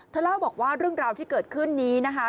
เล่าบอกว่าเรื่องราวที่เกิดขึ้นนี้นะคะ